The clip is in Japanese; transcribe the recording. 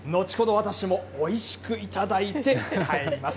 私もおいしく頂いて帰ります。